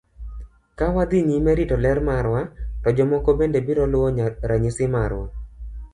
Ka wadhi nyime rito ler marwa, to jomamoko bende biro luwo ranyisi marwa.